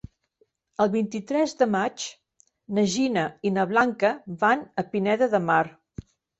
El vint-i-tres de maig na Gina i na Blanca van a Pineda de Mar.